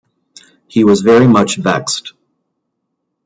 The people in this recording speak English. He was very much vexed.